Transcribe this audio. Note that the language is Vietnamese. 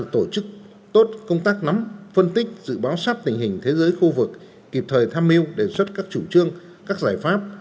tổ chức tốt công tác nắm phân tích dự báo sát tình hình thế giới khu vực kịp thời tham mưu đề xuất các chủ trương các giải pháp